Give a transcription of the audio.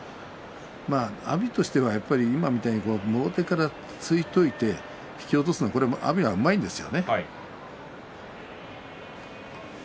まあ、阿炎としては今みたいにもろ手から突いておいて引き落とすのは阿炎はうまいんですよね。